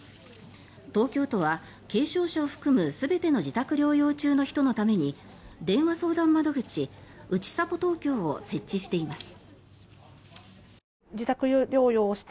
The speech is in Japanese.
東京都は軽症者を含む全ての自宅療養中の人のために電話相談窓口、うちさぽ東京を設置しています。